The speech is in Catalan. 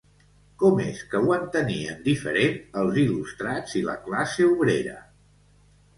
Com és que ho entenien diferent els il·lustrats i la classe obrera?